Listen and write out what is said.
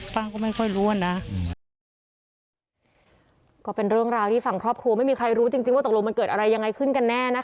ฟังก็ไม่ค่อยรู้อ่ะนะก็เป็นเรื่องราวที่ฝั่งครอบครัวไม่มีใครรู้จริงจริงว่าตกลงมันเกิดอะไรยังไงขึ้นกันแน่นะคะ